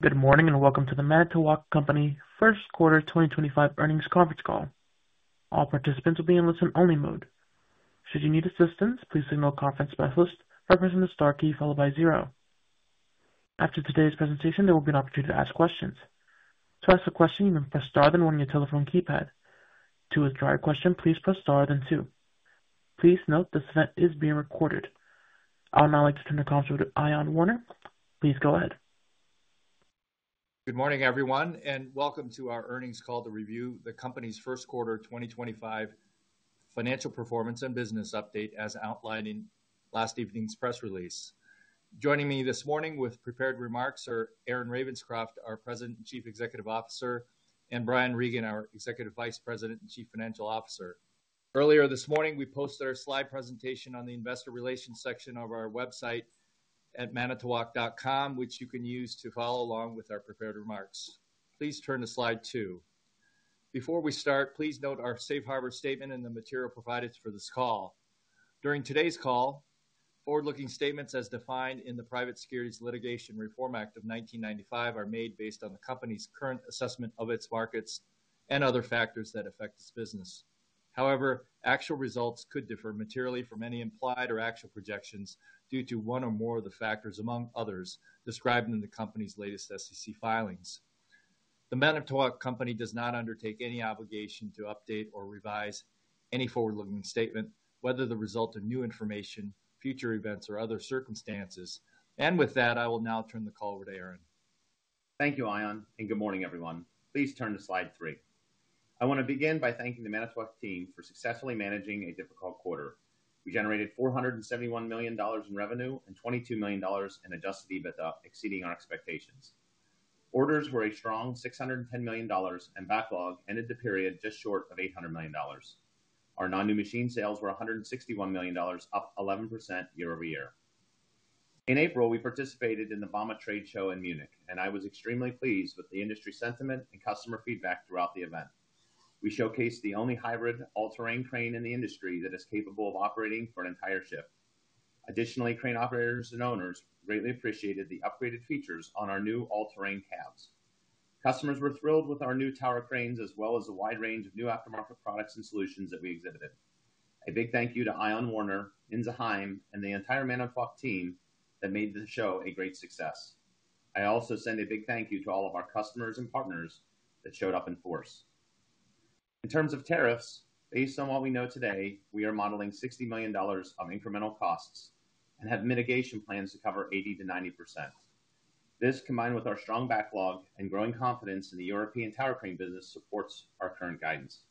Good morning and welcome to The Manitowoc Company First Quarter 2025 earnings conference call. All participants will be in listen-only mode. Should you need assistance, please signal a conference specialist by pressing the star key followed by zero. After today's presentation, there will be an opportunity to ask questions. To ask a question, you may press star then one on your telephone keypad. To withdraw your question, please press star then two. Please note this event is being recorded. I would now like to turn the conference over to Ion Warner. Please go ahead. Good morning, everyone, and welcome to our earnings call to review the company's first quarter 2025 financial performance and business update as outlined in last evening's press release. Joining me this morning with prepared remarks are Aaron Ravenscroft, our President and Chief Executive Officer, and Brian Regan, our Executive Vice President and Chief Financial Officer. Earlier this morning, we posted our slide presentation on the investor relations section of our website at manitowoc.com, which you can use to follow along with our prepared remarks. Please turn to slide two. Before we start, please note our safe harbor statement and the material provided for this call. During today's call, forward-looking statements as defined in the Private Securities Litigation Reform Act of 1995 are made based on the company's current assessment of its markets and other factors that affect its business. However, actual results could differ materially from any implied or actual projections due to one or more of the factors, among others, described in the company's latest SEC filings. The Manitowoc Company does not undertake any obligation to update or revise any forward-looking statement, whether the result of new information, future events, or other circumstances. I will now turn the call over to Aaron. Thank you, Ion, and good morning, everyone. Please turn to slide three. I want to begin by thanking the Manitowoc team for successfully managing a difficult quarter. We generated $471 million in revenue and $22 million in adjusted EBITDA, exceeding our expectations. Orders were a strong $610 million, and backlog ended the period just short of $800 million. Our non-new machine sales were $161 million, up 11% year-over-year. In April, we participated in the bauma Trade Show in Munich, and I was extremely pleased with the industry sentiment and customer feedback throughout the event. We showcased the only hybrid all-terrain crane in the industry that is capable of operating for an entire shift. Additionally, crane operators and owners greatly appreciated the upgraded features on our new all-terrain cabs. Customers were thrilled with our new tower cranes as well as the wide range of new aftermarket products and solutions that we exhibited. A big thank you to Ion Warner, [Inzheim], and the entire Manitowoc team that made the show a great success. I also send a big thank you to all of our customers and partners that showed up in force. In terms of tariffs, based on what we know today, we are modeling $60 million of incremental costs and have mitigation plans to cover 80%-90%. This, combined with our strong backlog and growing confidence in the European tower crane business, supports our current guidance.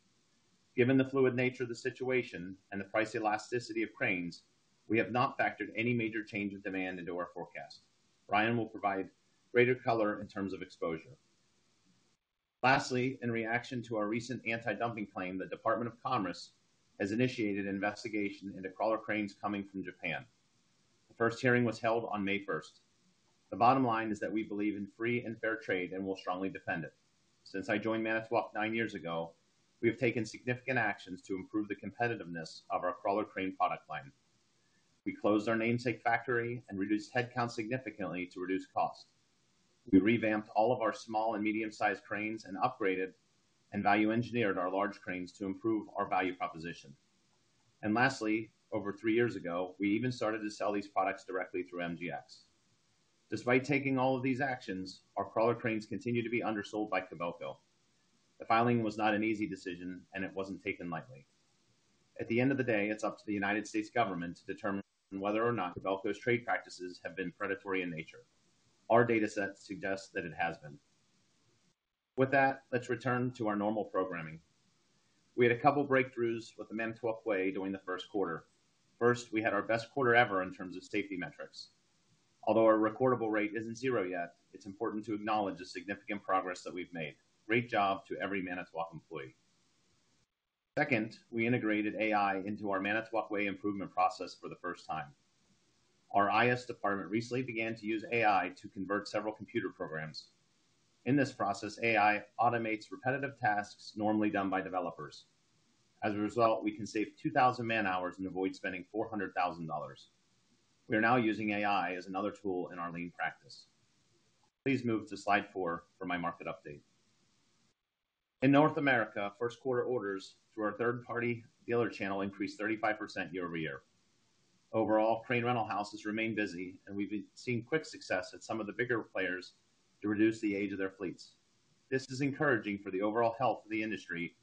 Given the fluid nature of the situation and the price elasticity of cranes, we have not factored any major change in demand into our forecast. Brian will provide greater color in terms of exposure. Lastly, in reaction to our recent anti-dumping claim, the Department of Commerce has initiated an investigation into crawler cranes coming from Japan. The first hearing was held on May 1st. The bottom line is that we believe in free and fair trade and will strongly defend it. Since I joined Manitowoc nine years ago, we have taken significant actions to improve the competitiveness of our crawler crane product line. We closed our namesake factory and reduced headcount significantly to reduce costs. We revamped all of our small and medium-sized cranes and upgraded and value-engineered our large cranes to improve our value proposition. Lastly, over three years ago, we even started to sell these products directly through MGX. Despite taking all of these actions, our crawler cranes continue to be undersold by Kobelco. The filing was not an easy decision, and it was not taken lightly. At the end of the day, it's up to the United States government to determine whether or not Kobelco's trade practices have been predatory in nature. Our data sets suggest that it has been. With that, let's return to our normal programming. We had a couple of breakthroughs with the Manitowoc Way during the first quarter. First, we had our best quarter ever in terms of safety metrics. Although our recordable rate isn't zero yet, it's important to acknowledge the significant progress that we've made. Great job to every Manitowoc employee. Second, we integrated AI into our Manitowoc Way improvement process for the first time. Our IS department recently began to use AI to convert several computer programs. In this process, AI automates repetitive tasks normally done by developers. As a result, we can save 2,000 man-hours and avoid spending $400,000. We are now using AI as another tool in our lean practice. Please move to slide four for my market update. In North America, first-quarter orders through our third-party dealer channel increased 35% year-over-year. Overall, crane rental houses remain busy, and we've seen quick success at some of the bigger players to reduce the age of their fleets. This is encouraging for the overall health of the industry,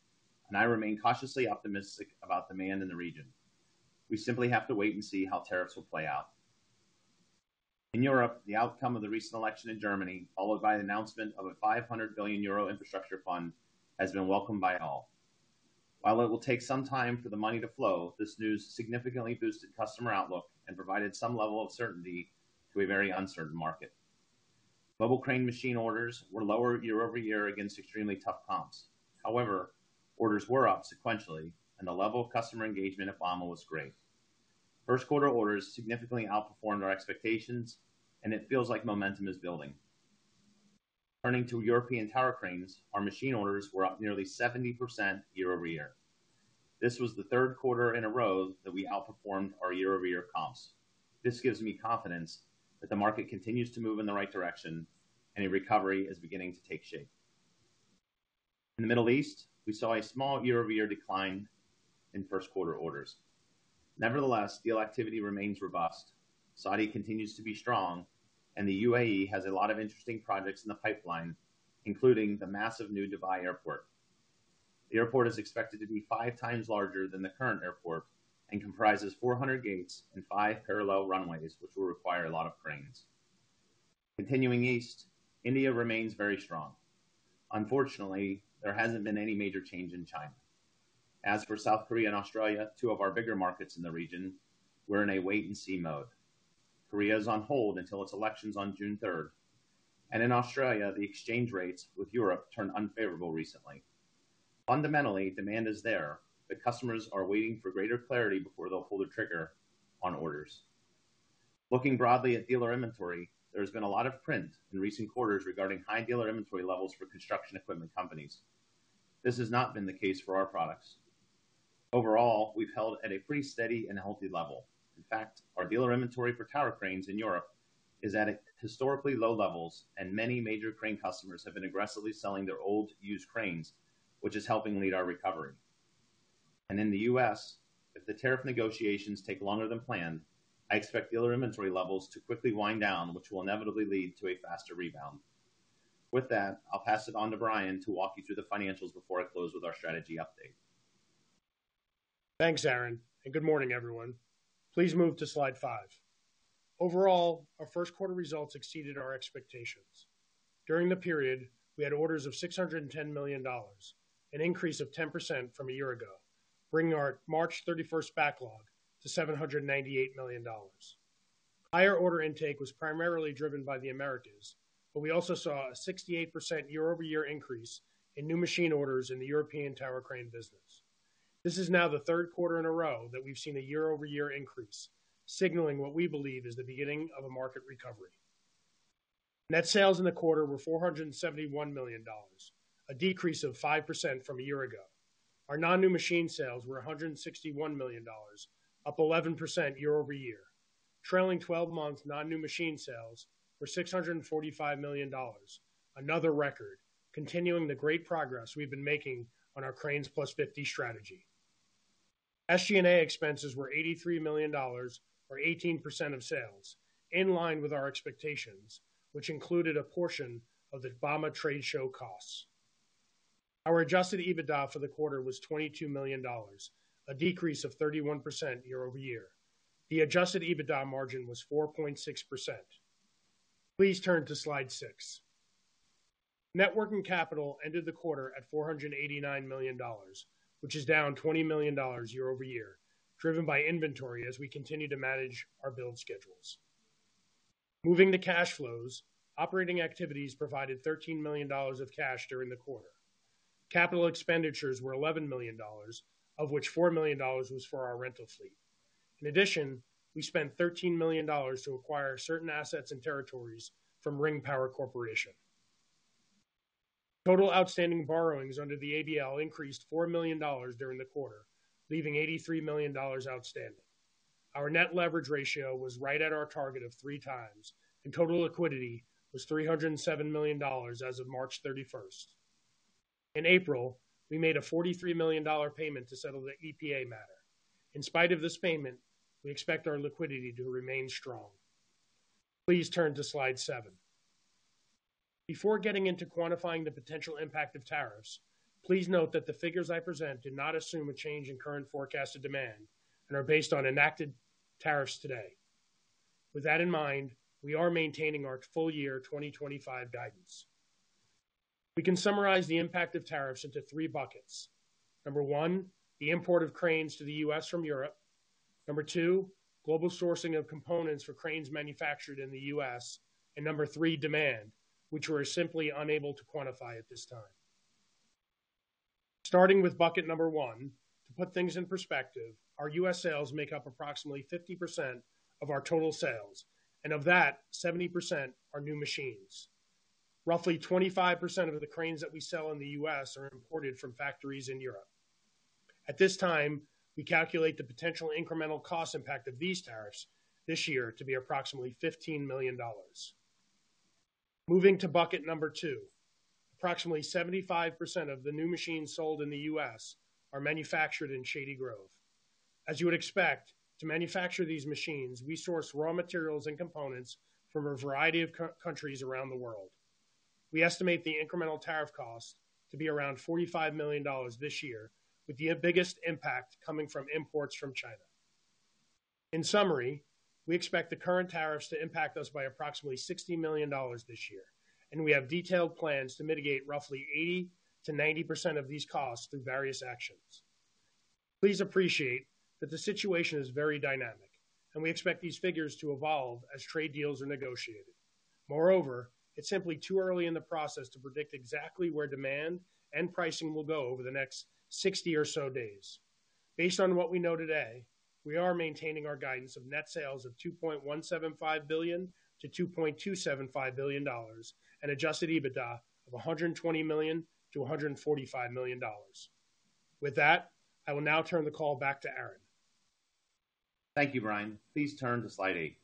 and I remain cautiously optimistic about demand in the region. We simply have to wait and see how tariffs will play out. In Europe, the outcome of the recent election in Germany, followed by the announcement of a 500 billion euro infrastructure fund, has been welcomed by all. While it will take some time for the money to flow, this news significantly boosted customer outlook and provided some level of certainty to a very uncertain market. Mobile crane machine orders were lower year-over-year against extremely tough comps. However, orders were up sequentially, and the level of customer engagement at bauma was great. First-quarter orders significantly outperformed our expectations, and it feels like momentum is building. Turning to European tower cranes, our machine orders were up nearly 70% year-over-year. This was the third quarter in a row that we outperformed our year-over-year comps. This gives me confidence that the market continues to move in the right direction, and a recovery is beginning to take shape. In the Middle East, we saw a small year-over-year decline in first-quarter orders. Nevertheless, deal activity remains robust. Saudi continues to be strong, and the UAE has a lot of interesting projects in the pipeline, including the massive new Dubai airport. The airport is expected to be five times larger than the current airport and comprises 400 gates and five parallel runways, which will require a lot of cranes. Continuing east, India remains very strong. Unfortunately, there has not been any major change in China. As for South Korea and Australia, two of our bigger markets in the region, we are in a wait-and-see mode. Korea is on hold until its elections on June 3rd. In Australia, the exchange rates with Europe turned unfavorable recently. Fundamentally, demand is there, but customers are waiting for greater clarity before they will pull the trigger on orders. Looking broadly at dealer inventory, there has been a lot of print in recent quarters regarding high dealer inventory levels for construction equipment companies. This has not been the case for our products. Overall, we have held at a pretty steady and healthy level. In fact, our dealer inventory for tower cranes in Europe is at historically low levels, and many major crane customers have been aggressively selling their old used cranes, which is helping lead our recovery. In the U.S., if the tariff negotiations take longer than planned, I expect dealer inventory levels to quickly wind down, which will inevitably lead to a faster rebound. With that, I'll pass it on to Brian to walk you through the financials before I close with our strategy update. Thanks, Aaron, and good morning, everyone. Please move to slide five. Overall, our first-quarter results exceeded our expectations. During the period, we had orders of $610 million, an increase of 10% from a year ago, bringing our March 31st backlog to $798 million. Higher order intake was primarily driven by the Americas, but we also saw a 68% year-over-year increase in new machine orders in the European tower crane business. This is now the third quarter in a row that we've seen a year-over-year increase, signaling what we believe is the beginning of a market recovery. Net sales in the quarter were $471 million, a decrease of 5% from a year ago. Our non-new machine sales were $161 million, up 11% year-over-year. Trailing 12-month non-new machine sales were $645 million, another record, continuing the great progress we've been making on our CRANES+50 strategy. SG&A expenses were $83 million, or 18% of sales, in line with our expectations, which included a portion of the bauma Trade Show costs. Our adjusted EBITDA for the quarter was $22 million, a decrease of 31% year-over-year. The adjusted EBITDA margin was 4.6%. Please turn to slide six. Net working capital ended the quarter at $489 million, which is down $20 million year-over-year, driven by inventory as we continue to manage our build schedules. Moving to cash flows, operating activities provided $13 million of cash during the quarter. Capital expenditures were $11 million, of which $4 million was for our rental fleet. In addition, we spent $13 million to acquire certain assets and territories from Ring Power Corporation. Total outstanding borrowings under the ABL increased $4 million during the quarter, leaving $83 million outstanding. Our net leverage ratio was right at our target of 3x, and total liquidity was $307 million as of March 31st. In April, we made a $43 million payment to settle the EPA matter. In spite of this payment, we expect our liquidity to remain strong. Please turn to slide seven. Before getting into quantifying the potential impact of tariffs, please note that the figures I present do not assume a change in current forecasted demand and are based on enacted tariffs today. With that in mind, we are maintaining our full year 2025 guidance. We can summarize the impact of tariffs into three buckets. Number one, the import of cranes to the U.S. from Europe. Number two, global sourcing of components for cranes manufactured in the U.S. And number three, demand, which we're simply unable to quantify at this time. Starting with bucket number one, to put things in perspective, our U.S. sales make up approximately 50% of our total sales, and of that, 70% are new machines. Roughly 25% of the cranes that we sell in the U.S. are imported from factories in Europe. At this time, we calculate the potential incremental cost impact of these tariffs this year to be approximately $15 million. Moving to bucket number two, approximately 75% of the new machines sold in the U.S. are manufactured in Shady Grove. As you would expect, to manufacture these machines, we source raw materials and components from a variety of countries around the world. We estimate the incremental tariff cost to be around $45 million this year, with the biggest impact coming from imports from China. In summary, we expect the current tariffs to impact us by approximately $60 million this year, and we have detailed plans to mitigate roughly 80%-90% of these costs through various actions. Please appreciate that the situation is very dynamic, and we expect these figures to evolve as trade deals are negotiated. Moreover, it's simply too early in the process to predict exactly where demand and pricing will go over the next 60 or so days. Based on what we know today, we are maintaining our guidance of net sales of $2.175 billion-$2.275 billion and adjusted EBITDA of $120 million-$145 million. With that, I will now turn the call back to Aaron. Thank you, Brian. Please turn to slide eight.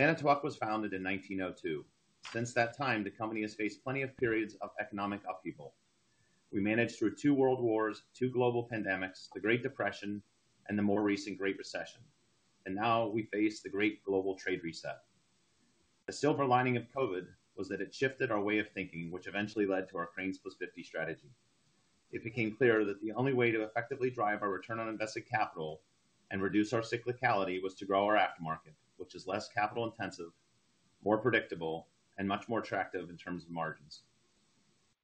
Manitowoc was founded in 1902. Since that time, the company has faced plenty of periods of economic upheaval. We managed through two world wars, two global pandemics, the Great Depression, and the more recent Great Recession. Now we face the great global trade reset. The silver lining of COVID was that it shifted our way of thinking, which eventually led to our CRANES+50 strategy. It became clear that the only way to effectively drive our return on invested capital and reduce our cyclicality was to grow our aftermarket, which is less capital-intensive, more predictable, and much more attractive in terms of margins.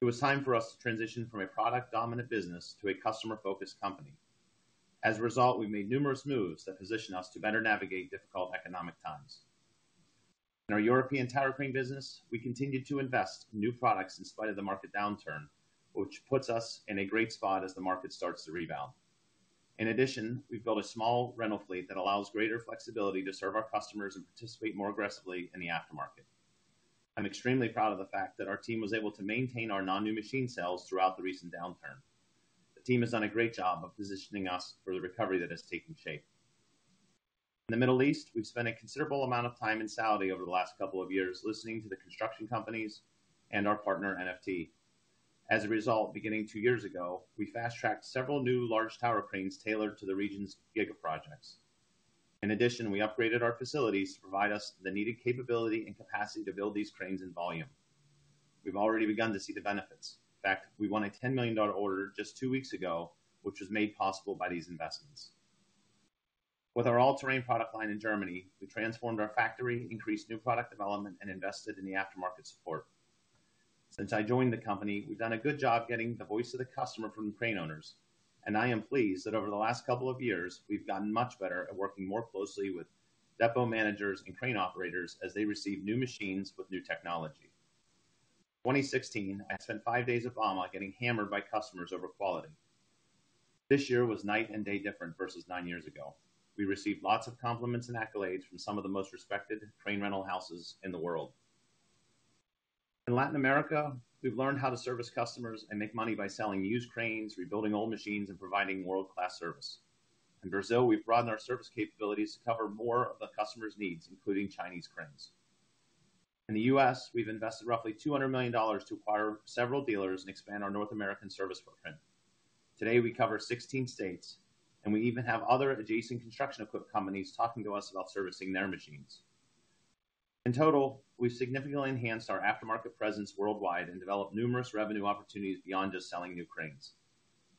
It was time for us to transition from a product-dominant business to a customer-focused company. As a result, we made numerous moves that position us to better navigate difficult economic times. In our European tower crane business, we continue to invest in new products in spite of the market downturn, which puts us in a great spot as the market starts to rebound. In addition, we've built a small rental fleet that allows greater flexibility to serve our customers and participate more aggressively in the aftermarket. I'm extremely proud of the fact that our team was able to maintain our non-new machine sales throughout the recent downturn. The team has done a great job of positioning us for the recovery that has taken shape. In the Middle East, we've spent a considerable amount of time in Saudi over the last couple of years listening to the construction companies and our partner NFT. As a result, beginning two years ago, we fast-tracked several new large tower cranes tailored to the region's gigaprojects. In addition, we upgraded our facilities to provide us the needed capability and capacity to build these cranes in volume. We've already begun to see the benefits. In fact, we won a $10 million order just two weeks ago, which was made possible by these investments. With our all-terrain product line in Germany, we transformed our factory, increased new product development, and invested in the aftermarket support. Since I joined the company, we've done a good job getting the voice of the customer from the crane owners, and I am pleased that over the last couple of years, we've gotten much better at working more closely with depo managers and crane operators as they receive new machines with new technology. In 2016, I spent five days at bauma getting hammered by customers over quality. This year was night and day different versus nine years ago. We received lots of compliments and accolades from some of the most respected crane rental houses in the world. In Latin America, we've learned how to service customers and make money by selling used cranes, rebuilding old machines, and providing world-class service. In Brazil, we've broadened our service capabilities to cover more of the customer's needs, including Chinese cranes. In the U.S., we've invested roughly $200 million to acquire several dealers and expand our North American service footprint. Today, we cover 16 states, and we even have other adjacent construction equipment companies talking to us about servicing their machines. In total, we've significantly enhanced our aftermarket presence worldwide and developed numerous revenue opportunities beyond just selling new cranes.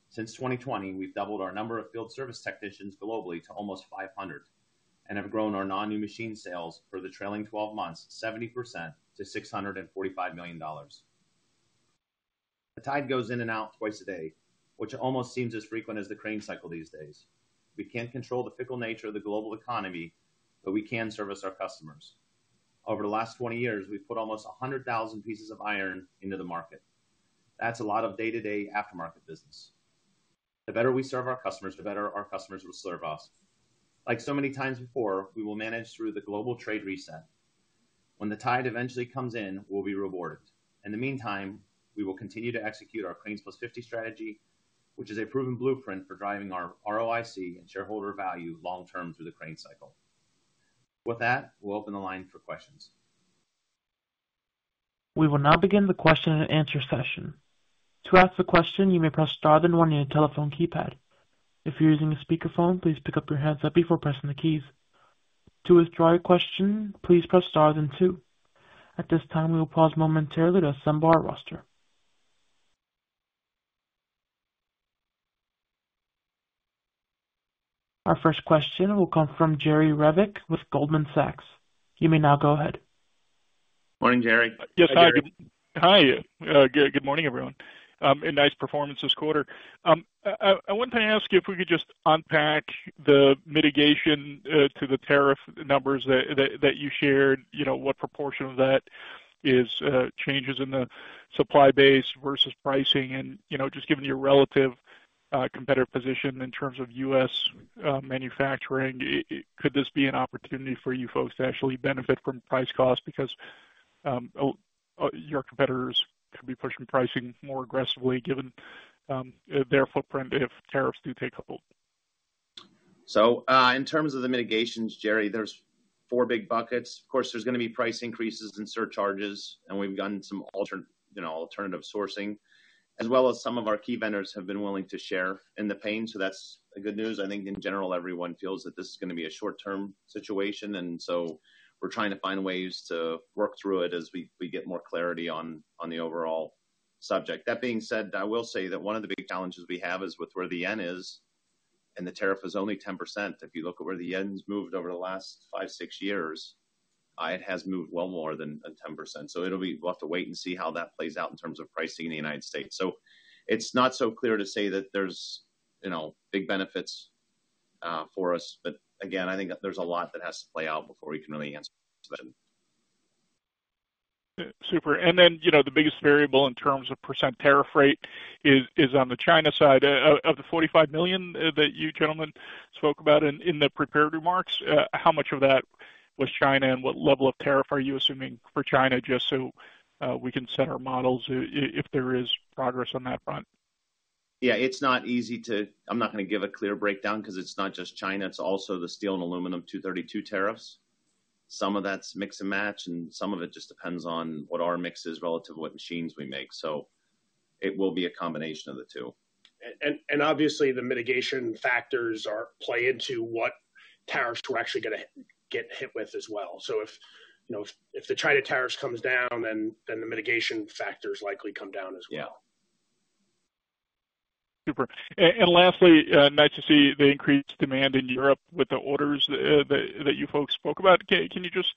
Since 2020, we've doubled our number of field service technicians globally to almost 500 and have grown our non-new machine sales for the trailing 12 months 70% to $645 million. The tide goes in and out twice a day, which almost seems as frequent as the crane cycle these days. We can't control the fickle nature of the global economy, but we can service our customers. Over the last 20 years, we've put almost 100,000 pieces of iron into the market. That's a lot of day-to-day aftermarket business. The better we serve our customers, the better our customers will serve us. Like so many times before, we will manage through the global trade reset. When the tide eventually comes in, we'll be rewarded. In the meantime, we will continue to execute our CRANES+50 strategy, which is a proven blueprint for driving our ROIC and shareholder value long-term through the crane cycle. With that, we'll open the line for questions. We will now begin the question and answer session. To ask a question, you may press star then one on your telephone keypad. If you're using a speakerphone, please pick up your handset before pressing the keys. To withdraw your question, please press star then two. At this time, we will pause momentarily to assemble our roster. Our first question will come from Jerry Revich with Goldman Sachs. You may now go ahead. Morning, Jerry. Yes, hi. Hi. Good morning, everyone. Nice performance this quarter. I wanted to ask you if we could just unpack the mitigation to the tariff numbers that you shared. What proportion of that is changes in the supply base versus pricing, and just given your relative competitive position in terms of U.S. manufacturing, could this be an opportunity for you folks to actually benefit from price costs because your competitors could be pushing pricing more aggressively given their footprint if tariffs do take hold? In terms of the mitigations, Jerry, there are four big buckets. Of course, there are going to be price increases and surcharges, and we have gotten some alternative sourcing, as well as some of our key vendors have been willing to share in the pain. That is good news. I think in general, everyone feels that this is going to be a short-term situation, and we are trying to find ways to work through it as we get more clarity on the overall subject. That being said, I will say that one of the big challenges we have is with where the yen is, and the tariff is only 10%. If you look at where the yen has moved over the last five or six years, it has moved well more than 10%. We will have to wait and see how that plays out in terms of pricing in the United States. It is not so clear to say that there are big benefits for us, but again, I think there is a lot that has to play out before we can really answer that. Super. The biggest variable in terms of % tariff rate is on the China side of the $45 million that you gentlemen spoke about in the prepared remarks. How much of that was China and what level of tariff are you assuming for China just so we can set our models if there is progress on that front? Yeah, it's not easy to—I'm not going to give a clear breakdown because it's not just China. It's also the steel and aluminum 232 tariffs. Some of that's mix and match, and some of it just depends on what our mix is relative to what machines we make. It will be a combination of the two. Obviously, the mitigation factors play into what tariffs we're actually going to get hit with as well. If the China tariffs come down, then the mitigation factors likely come down as well. Super. And lastly, nice to see the increased demand in Europe with the orders that you folks spoke about. Can you just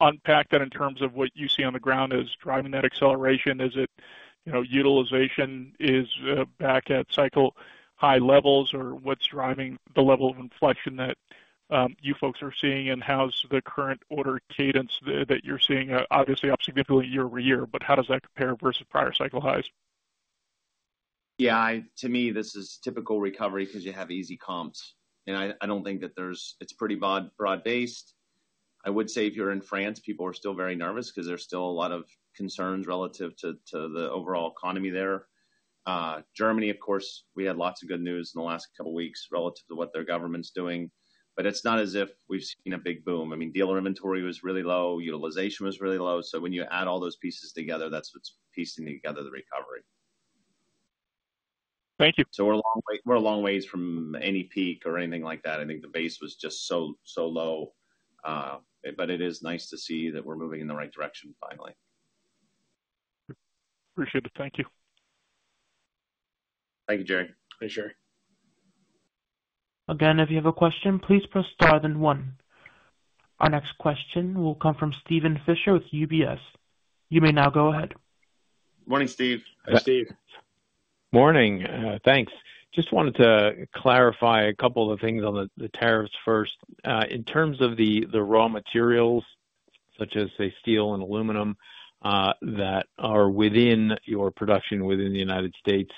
unpack that in terms of what you see on the ground as driving that acceleration? Is it utilization is back at cycle high levels, or what's driving the level of inflection that you folks are seeing, and how's the current order cadence that you're seeing? Obviously, up significantly year-over-year, but how does that compare versus prior cycle highs? Yeah, to me, this is typical recovery because you have easy comps. I do not think that there is—it is pretty broad-based. I would say if you are in France, people are still very nervous because there are still a lot of concerns relative to the overall economy there. Germany, of course, we had lots of good news in the last couple of weeks relative to what their government is doing. It is not as if we have seen a big boom. I mean, dealer inventory was really low. Utilization was really low. When you add all those pieces together, that is what is piecing together the recovery. Thank you. We're a long way from any peak or anything like that. I think the base was just so low. It is nice to see that we're moving in the right direction finally. Appreciate it. Thank you. Thank you, Jerry. Thanks, Jerry. Again, if you have a question, please press star then one. Our next question will come from Steven Fisher with UBS. You may now go ahead. Morning, Steve. Morning. Thanks. Just wanted to clarify a couple of things on the tariffs first. In terms of the raw materials, such as, say, steel and aluminum, that are within your production within the United States,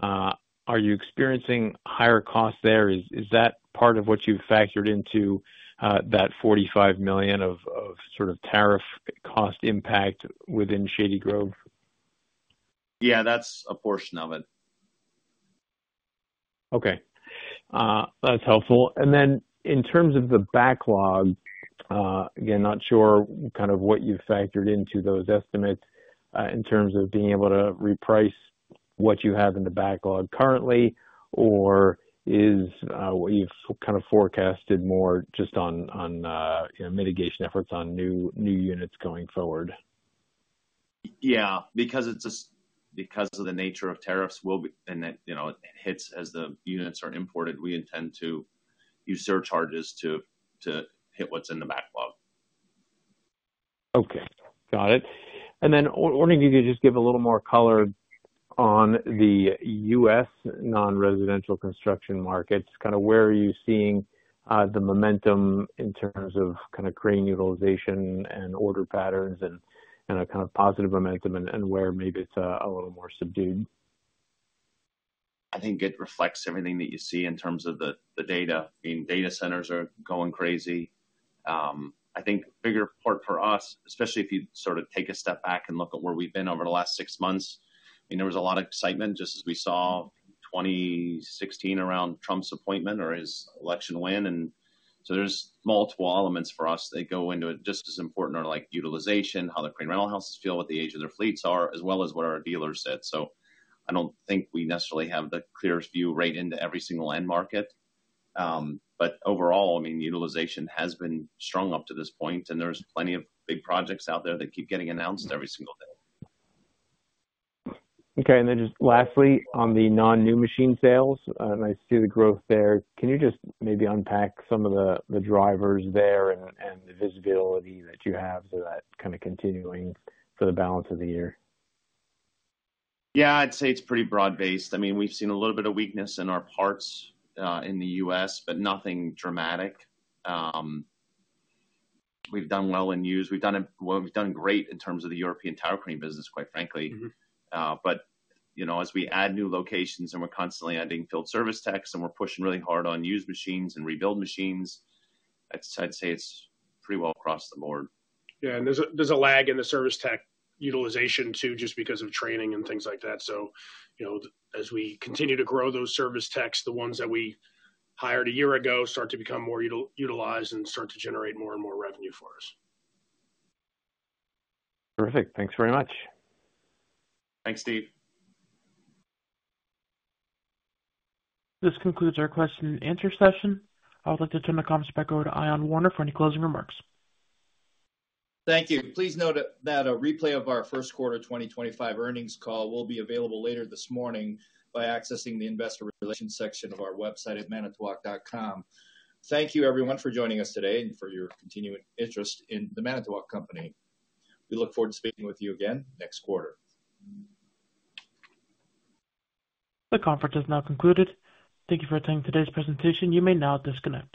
are you experiencing higher costs there? Is that part of what you factored into that $45 million of sort of tariff cost impact within Shady Grove? Yeah, that's a portion of it. Okay. That's helpful. In terms of the backlog, again, not sure kind of what you factored into those estimates in terms of being able to reprice what you have in the backlog currently, or is what you've kind of forecasted more just on mitigation efforts on new units going forward? Yeah, because of the nature of tariffs and it hits as the units are imported, we intend to use surcharges to hit what's in the backlog. Okay. Got it. Wanting you to just give a little more color on the U.S. non-residential construction markets, kind of where are you seeing the momentum in terms of kind of crane utilization and order patterns and kind of positive momentum and where maybe it's a little more subdued? I think it reflects everything that you see in terms of the data. I mean, data centers are going crazy. I think bigger part for us, especially if you sort of take a step back and look at where we've been over the last six months, I mean, there was a lot of excitement just as we saw 2016 around Trump's appointment or his election win. There are multiple elements for us that go into it. Just as important are like utilization, how the crane rental houses feel, what the age of their fleets are, as well as what our dealers said. I do not think we necessarily have the clearest view right into every single end market. Overall, I mean, utilization has been strong up to this point, and there are plenty of big projects out there that keep getting announced every single day. Okay. Lastly, on the non-new machine sales, and I see the growth there, can you just maybe unpack some of the drivers there and the visibility that you have to that kind of continuing for the balance of the year? Yeah, I'd say it's pretty broad-based. I mean, we've seen a little bit of weakness in our parts in the U.S., but nothing dramatic. We've done well in used. We've done great in terms of the European tower crane business, quite frankly. As we add new locations and we're constantly adding field service techs and we're pushing really hard on used machines and rebuild machines, I'd say it's pretty well across the board. Yeah. There is a lag in the service tech utilization too just because of training and things like that. As we continue to grow those service techs, the ones that we hired a year ago start to become more utilized and start to generate more and more revenue for us. Terrific. Thanks very much. Thanks, Steve. This concludes our question and answer session. I would like to turn the conference back over to Ion Warner for any closing remarks. Thank you. Please note that a replay of our first quarter 2025 earnings call will be available later this morning by accessing the investor relations section of our website at manitowoc.com. Thank you, everyone, for joining us today and for your continuing interest in The Manitowoc Company. We look forward to speaking with you again next quarter. The conference has now concluded. Thank you for attending today's presentation. You may now disconnect.